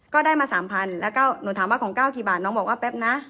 ก็ได้มา๓๐๐แล้วก็หนูถามว่าของ๙กี่บาทน้องบอกว่าแป๊บนะ